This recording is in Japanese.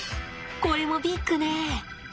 これもビッグね。